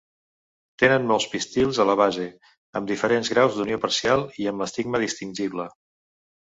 Tenen molts pistils a la base, amb diferents graus d'unió parcial i amb l'estigma distingible.